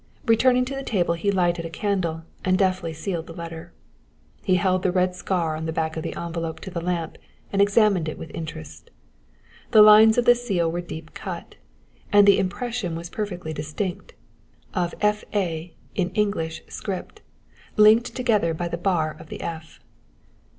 Returning to the table he lighted a candle, and deftly sealed the letter. He held the red scar on the back of the envelope to the lamp and examined it with interest. The lines of the seal were deep cut, and the impression was perfectly distinct, of F.A. in English script, linked together by the bar of the F.